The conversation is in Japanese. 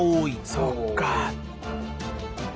そっか。